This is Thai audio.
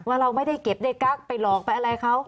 ว่าเราไม่ได้เก็บได้กลั๊กไปหลอกไปอะไรครับ